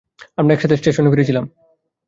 আমরা একসাথে স্টেশনে ফিরেছিলাম।